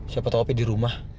siapa tau api di rumah